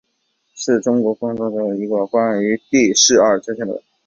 是日本光荣公司制作的一个关于第二次世界大战海战的战略模拟类游戏系列。